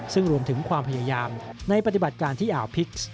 ซึ่งรวมถึงความพยายามในปฏิบัติการที่อ่าวพิกซ์